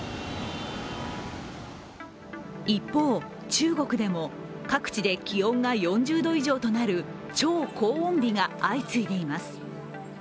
一方、中国でも各地で気温が４０度以上となる超高温日が相次いでいます。